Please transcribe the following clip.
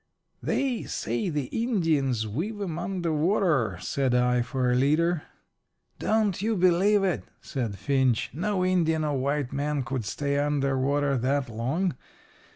"They say the Indians weave 'em under water," said I, for a leader. "Don't you believe it," said Finch. "No Indian or white man could stay under water that long.